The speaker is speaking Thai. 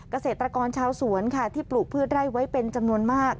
เกษตรกรชาวสวนค่ะที่ปลูกพืชไร่ไว้เป็นจำนวนมาก